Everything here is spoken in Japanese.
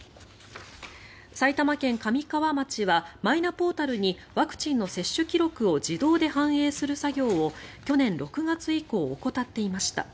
埼玉県神川町はマイナポータルにワクチンの接種記録を自動で反映する作業を去年６月以降怠っていました。